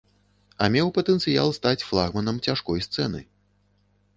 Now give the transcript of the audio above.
А меў патэнцыял стаць флагманам цяжкой сцэны.